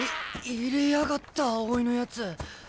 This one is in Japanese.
い入れやがった青井のやつ。